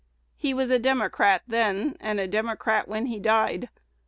He was a Democrat then, and a Democrat when he died.